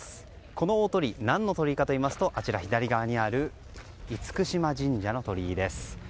この大鳥居、何の鳥居かというとあちら、左側にある厳島神社の鳥居です。